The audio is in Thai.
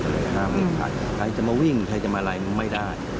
ห้ามแรงใครจะมาวิ่งใครจะมาลัยมันไม่ได้